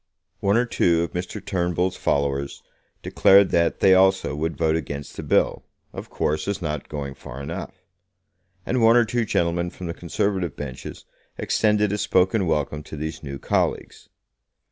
One or two of Mr. Turnbull's followers declared that they also would vote against the bill, of course, as not going far enough; and one or two gentlemen from the Conservative benches extended a spoken welcome to these new colleagues.